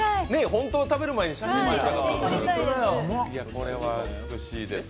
本当は食べる前に写真撮りたいやつ、これは美しいです。